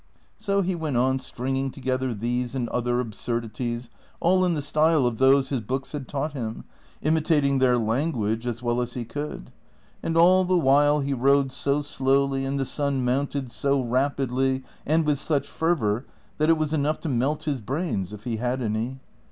So he Avent on stringing together these and other absurdities, all in the style of those his books had taught him, imitating their language as well as he could ; and all the while he rode so slowly and the sun mounted so rapidly and with such fervor that it was enough to melt his brains if he had any.